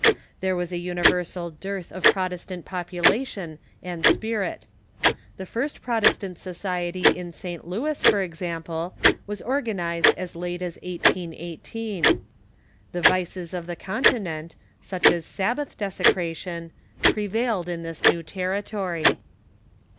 There Avas a universal dearth of Protestant population and spirit. The first Protestant society in St. Louis, for example, was organ ized as late as 1818. The vices of the Continent, such as Sab bath desecration, prevailed in this new territory.